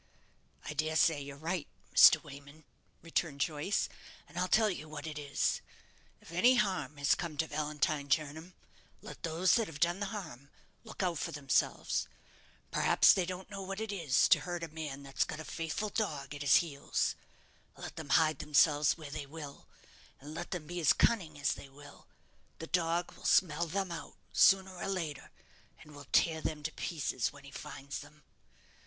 "I dare say you're right, Mr. Wayman," returned Joyce; "and I'll tell you what it is. If any harm has come to Valentine Jernam, let those that have done the harm look out for themselves. Perhaps they don't know what it is to hurt a man that's got a faithful dog at his heels. Let them hide themselves where they will, and let them be as cunning as they will, the dog will smell them out, sooner or later, and will tear them to pieces when he finds them.